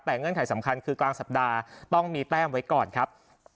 แต่เงื่อนไขสำคัญคือกลางสัปดาห์ต้องมีแต้มไว้ก่อนครับ